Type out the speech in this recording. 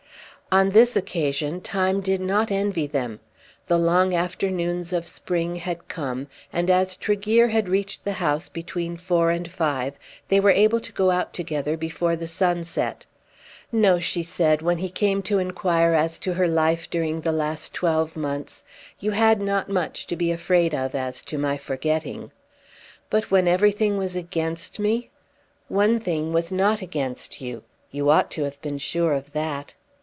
On this occasion time did not envy them. The long afternoons of spring had come, and as Tregear had reached the house between four and five they were able to go out together before the sun set. "No," she said when he came to inquire as to her life during the last twelve months; "you had not much to be afraid of as to my forgetting." "But when everything was against me?" "One thing was not against you. You ought to have been sure of that."